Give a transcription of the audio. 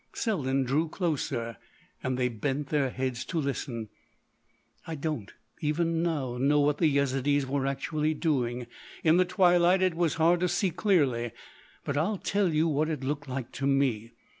Selden drew closer, and they bent their heads to listen: "I don't, even now, know what the Yezidees were actually doing. In the twilight it was hard to see clearly. But I'll tell you what it looked like to me.